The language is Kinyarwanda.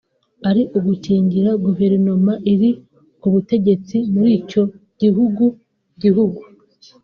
ari ugukingira guverinoma iri ku butegetsi mur’icyo gihugu gihugu